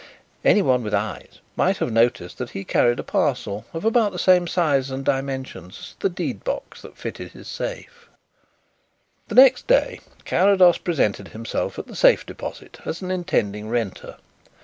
Anyone with eyes might have noticed that he carried a parcel of about the same size and dimensions as the deed box that fitted his safe. The next day Carrados presented himself at the safe deposit as an intending renter.